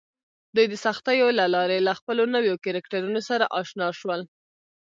دوی د سختیو له لارې له خپلو نویو کرکټرونو سره اشنا شول